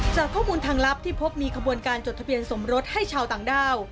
จากข้อมูลทางลับที่พบมีขบวนการจดทะเบียนสมรสให้ชาวต่างด้าว